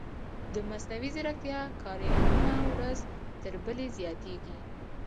د مصنوعي ځیرکتیا کاریالونه ورځ تر بلې زیاتېږي.